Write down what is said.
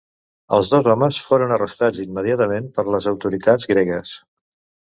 Els dos homes foren arrestats immediatament per les autoritats gregues.